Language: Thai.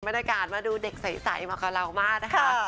มาดูเด็กใสมากับเรามากนะคะ